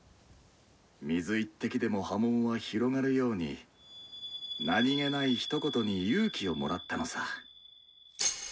水一滴でも波紋は広がるように何気ないひと言に勇気をもらったのさ。